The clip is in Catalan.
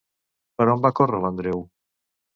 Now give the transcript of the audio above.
Per on va córrer l'Andreu?